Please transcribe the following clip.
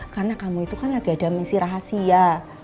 karena kamu itu kan ada ada misi rahasia